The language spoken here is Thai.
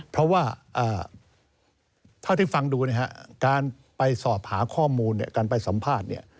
เพราะว่าเท่าที่ฟังดูการไปสอบหาข้อมูลการไปสัมภาษณ์